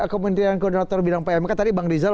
kementerian koordinator bidang pmk tadi bang rizal